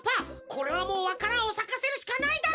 これはもうわか蘭をさかせるしかないだろう！